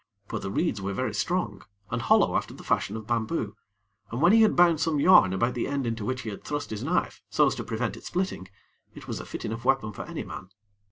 For the reeds were very strong, and hollow after the fashion of bamboo, and when he had bound some yarn about the end into which he had thrust his knife, so as to prevent it splitting, it was a fit enough weapon for any man.